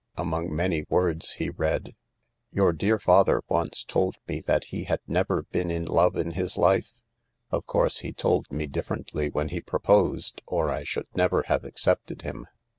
Among many words he read :" Your dear father once told me that he had never been ifi love in his life. Of course he told me differently when he proposed, or I should never have accepted him.